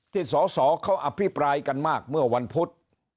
ที่สอสอเขาอภิปรายกันมากเมื่อวันพุธ